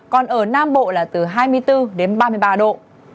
còn ở nam bộ là từ hai mươi bốn đến ba mươi ba độ